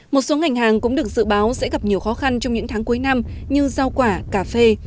một số ngành hàng cũng được dự báo sẽ gặp nhiều khó khăn trong những tháng cuối năm như rau quả cà phê